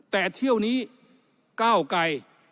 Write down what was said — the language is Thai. แต่เที่ยวนี้ก้าวไกร